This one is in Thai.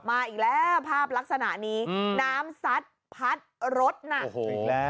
มาอีกแล้วภาพลักษณะนี้น้ำซัดพัดรถน่ะโอ้โหอีกแล้ว